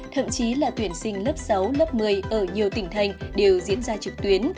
thậm chí là tuyển sinh lớp sáu lớp một mươi ở nhiều tỉnh thành đều diễn ra trực tuyến